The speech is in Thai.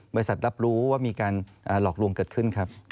บริษัทรับรู้ว่ามีการหลอกลวงเกิดขึ้น